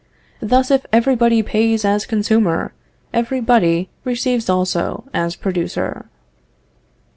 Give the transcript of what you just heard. Thus, if every body pays as consumer, every body receives also as producer."